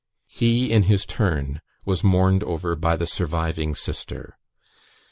He, in his turn, was mourned over by the surviving sister.